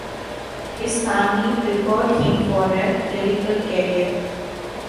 His family prepared him for a clerical career.